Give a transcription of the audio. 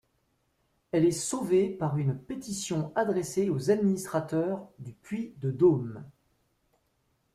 Elle est sauvée par une pétition adressée aux Administrateurs du Puy-de-Dôme.